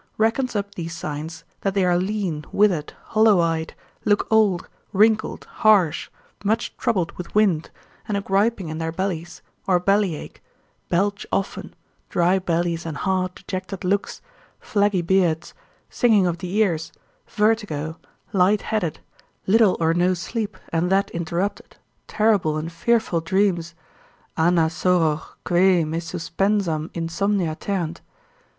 reckons up these signs, that they are lean, withered, hollow eyed, look old, wrinkled, harsh, much troubled with wind, and a griping in their bellies, or bellyache, belch often, dry bellies and hard, dejected looks, flaggy beards, singing of the ears, vertigo, light headed, little or no sleep, and that interrupt, terrible and fearful dreams, Anna soror, quae, me suspensam insomnia terrent?